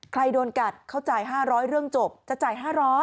โดนกัดเขาจ่าย๕๐๐เรื่องจบจะจ่าย๕๐๐